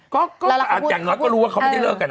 ก็อย่างน้อยก็รู้ว่าเขาไม่ได้เลิกกัน